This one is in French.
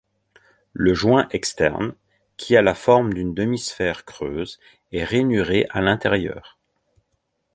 Le joint externe, qui a la forme d'une demi-sphère creuse, est rainuré à l'intérieur.